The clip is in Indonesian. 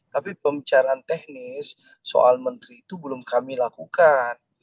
tapi pembicaraan teknis soal menteri itu belum kami lakukan